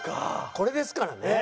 これですからね。